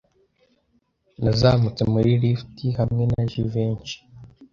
Nazamutse muri lift hamwe na Jivency.